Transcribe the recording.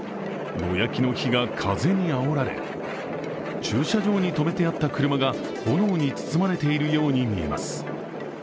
野焼きの火が風にあおられ、駐車場に止めてあった車が炎に包まれているように見えます。